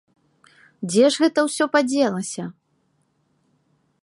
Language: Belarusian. Дзе ж гэта ўсё падзелася?